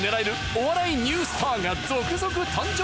お笑いニュースターが続々誕生！？